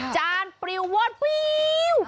จานปริววอดปริ้ว